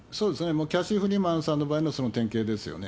もうキャシー・フリーマンさんの場合もその典型ですよね。